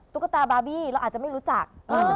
ตุ๊กตาบาร์บี้เราอาจจะไม่รู้จัก